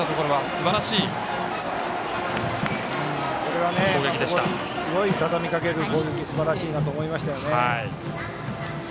すごい、たたみかける攻撃すばらしいなと思いましたね。